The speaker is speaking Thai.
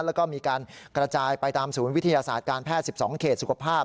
แล้วก็มีการกระจายไปตามศูนย์วิทยาศาสตร์การแพทย์๑๒เขตสุขภาพ